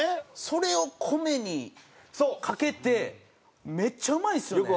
それを米にかけてめっちゃうまいんですよね。